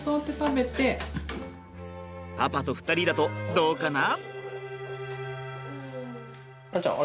パパと２人だとどうかな？